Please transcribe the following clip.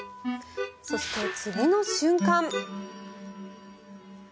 そして、次の瞬間。